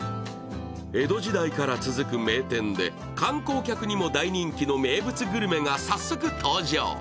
江戸時代から続く名店で観光客にも大人気の名物グルメが早速、登場。